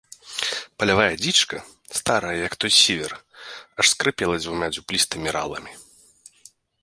Палявая дзічка, старая, як той сівер, аж скрыпела дзвюма дуплістымі раламі.